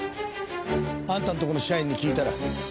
あんたのとこの社員に聞いたら。